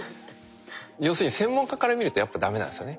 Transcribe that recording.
要するに専門家から見るとやっぱ駄目なんですよね。